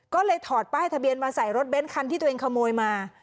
ก็เลยถอดป้ายทะเบียนมาใส่รถเบ้นคันที่ตัวเองขโมยมา